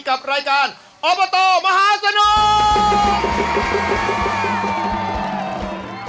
กับรายการอบตมหาสนุก